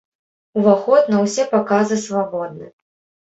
Уваход на ўсе паказы свабодны.